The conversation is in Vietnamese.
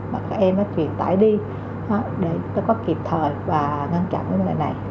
mà các em đã truyền tải đi để chúng ta có kịp thời và ngăn chặn những lời này